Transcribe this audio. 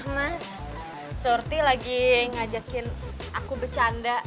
mas sorti lagi ngajakin aku bercanda